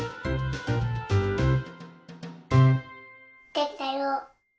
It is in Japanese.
できたよ。